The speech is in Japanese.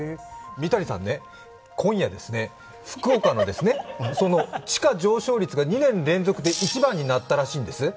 三谷さん、今夜ですね、福岡のですね、その地価上昇率が２年連続で一番になったらしいんです。